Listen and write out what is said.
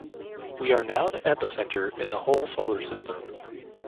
We are now the epicenter in the whole solar system.